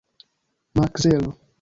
Makzelo